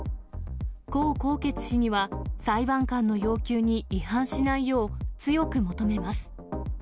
江宏傑氏には、裁判官の要求に違反しないよう、強く求めます。